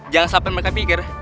jangan sampai mereka pikir